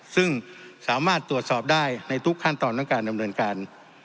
ซึ่งสามารถตรวจสอบได้ในทุกขั้นตอนทั้งการดำเนินการ